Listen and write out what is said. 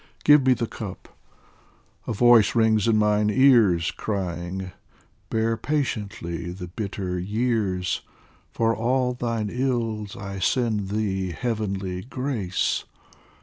Give me the cup ! a voice rings in mine ears Crying :" Bear patiently the bitter years ! For all thine ills, I send thee heavenly grace.